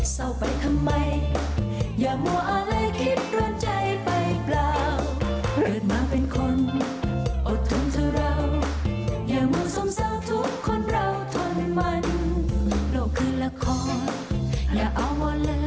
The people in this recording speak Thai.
สวัสดีครับ